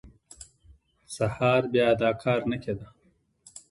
سهار بیا دا کار نه کېده.